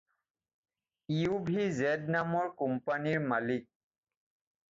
V U Z নামৰ কোম্পানীৰ মালিক।